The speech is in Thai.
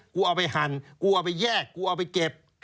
เอาไปหั่นกูเอาไปแยกกูเอาไปเก็บ